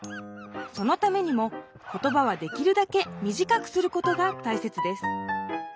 そのためにも言葉はできるだけみじかくすることがたいせつです。